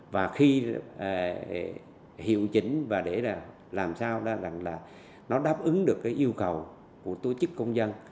và khi hiệu chỉnh và để làm sao là nó đáp ứng được cái yêu cầu của tổ chức công dân